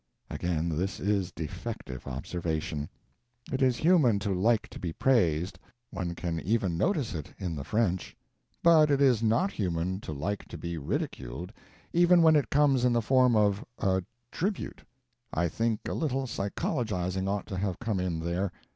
Again, this is defective observation. It is human to like to be praised; one can even notice it in the French. But it is not human to like to be ridiculed, even when it comes in the form of a "tribute." I think a little psychologizing ought to have come in there.